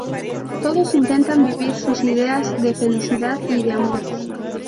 Todos intentan vivir sus ideas de felicidad y de amor.